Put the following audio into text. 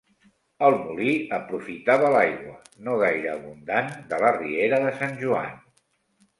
El molí aprofitava l'aigua, no gaire abundant, de la riera de Sant Joan.